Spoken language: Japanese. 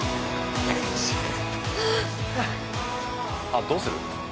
あっどうする？